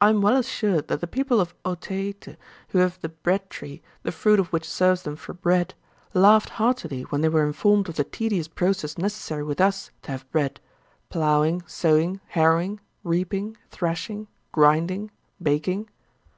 'I am well assured that the people of Otaheite who have the bread tree, the fruit of which serves them for bread, laughed heartily when they were informed of the tedious process necessary with us to have bread; plowing, sowing, harrowing, reaping, threshing, grinding, baking.'